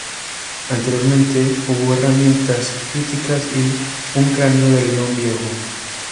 Anteriormente hubo herramientas líticas y un cráneo de León Viejo.